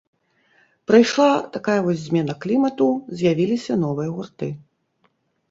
Прыйшла такая вось змена клімату, з'явіліся новыя гурты.